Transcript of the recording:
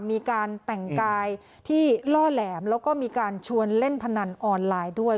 มีการแต่งกายที่ล่อแหลมแล้วก็มีการชวนเล่นพนันออนไลน์ด้วย